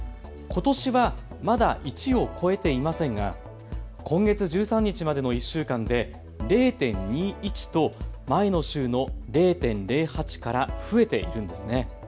ことしはまだ１を超えていませんが今月１３日までの１週間で０．２１と前の週の０．０８から増えているんです。